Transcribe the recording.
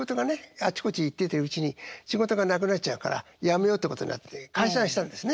あちこち行ってるうちに仕事がなくなっちゃうからやめようってことになって解散したんですね